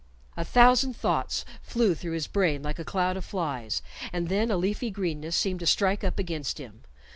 A thousand thoughts flew through his brain like a cloud of flies, and then a leafy greenness seemed to strike up against him.